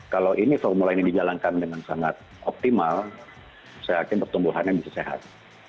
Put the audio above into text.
kalau ini formula ini dijalankan dengan sangat optimal saya yakin pertumbuhannya bisa sehat